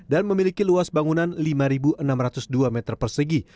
dan memiliki luas bangunan lima enam ratus dua meter persegi